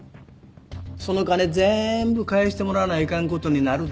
その金ぜんぶ返してもらわないかんことになるで。